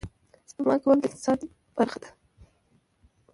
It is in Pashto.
سپما کول د اقتصاد برخه ده